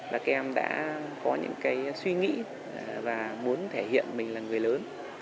là các em đã có những cái suy nghĩ và muốn thể hiện mình là người lớn